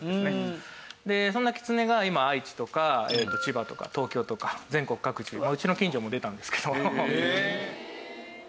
そんなキツネが今愛知とか千葉とか東京とか全国各地うちの近所も出たんですけど。